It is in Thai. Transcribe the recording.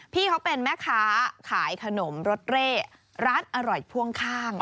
พี่เขาเป็นแม่ค้าขายขนมรสเร่ร้านอร่อยพ่วงข้าง